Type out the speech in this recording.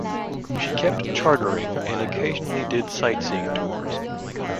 She kept chartering and occasionally did sightseeing tours.